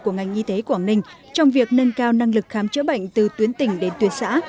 của ngành y tế quảng ninh trong việc nâng cao năng lực khám chữa bệnh từ tuyến tỉnh đến tuyến xã